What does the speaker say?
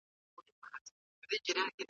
مذهبي فتواګانې د جګړې لارښوونه وکړه.